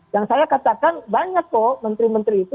yang saya katakan banyak kok menteri menteri itu